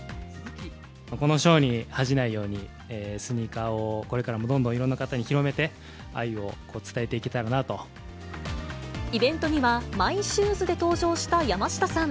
この賞に恥じないように、スニーカーをこれからもどんどんいろんな方に広めて、愛を伝えてイベントには、マイシューズで登場した山下さん。